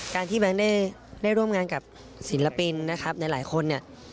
การที่แบงค์ได้ร่วมงานกับศิลปินนะครับในหลายคนเนี่ย